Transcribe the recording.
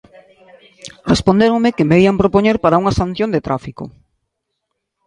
Respondéronme que me ían propoñer para unha sanción de tráfico.